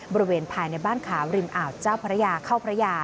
บริเวณภายในบ้านขาวริมอ่าวเจ้าพระยาเข้าพระยา